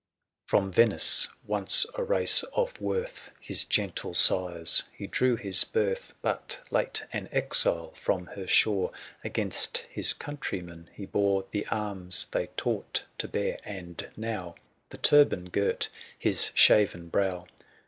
nl ■ From Venice — once a race of worth 70 His gentle sires — he drew his birth ; But late an exile from her shortf^w ^^^''*^^*»^^ Against his countrymen he bore The arms they taught to bear; and now ^* The turban girt his shaven brow.